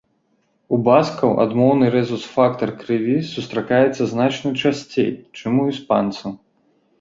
У баскаў адмоўны рэзус-фактар крыві сустракаецца значна часцей, чым у іспанцаў.